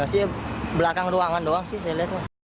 ya sih belakang ruangan doang sih saya lihat mas